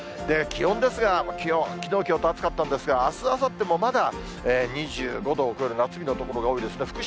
気温ですが、気温、きのう、きょうと暑かったんですが、あす、あさってもまだ２５度を超える夏日の所が多いですね。